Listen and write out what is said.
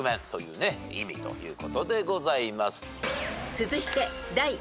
［続いて］